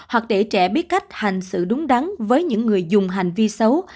hoặc để trẻ biết cách hành sự đúng đắn với những người dùng hành vi xấu